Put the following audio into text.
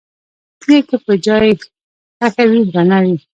تیګه که په ځای ښخه وي، درنه وي؛